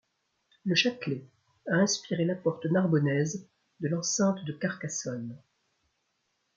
Le châtelet a inspiré la porte Narbonnaise de l'enceinte de Carcassonne.